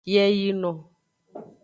Yeyino.